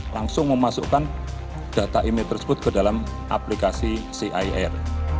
langsung memasukkan data email tersebut ke dalam aplikasi cir